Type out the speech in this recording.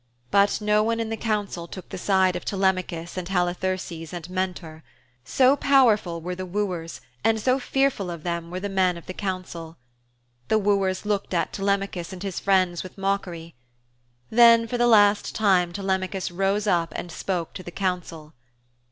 But no one in the council took the side of Telemachus and Halitherses and Mentor so powerful were the wooers and so fearful of them were the men of the council. The wooers looked at Telemachus and his friends with mockery. Then for the last time Telemachus rose up and spoke to the council.